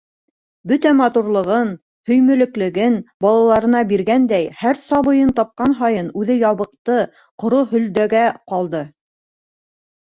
Бөтә матурлығын, һөймэлеклелеген балаларына биргәндәй, һәр сабыйын тапҡан һайын үҙе ябыҡты, ҡоро һөлдәгә ҡалды.